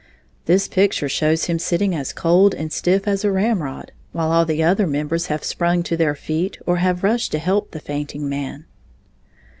This picture shows him sitting as cold and stiff as a ramrod while all the other members have sprung to their feet or have rushed to help the fainting man.